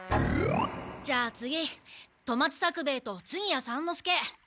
じゃあ次富松作兵衛と次屋三之助。